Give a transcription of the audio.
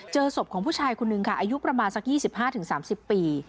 เจอศพของผู้ชายคนนึงค่ะอายุประมาณสัก๒๕๓๐ปี